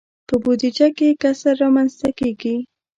په بودجه کې کسر رامنځته کیږي.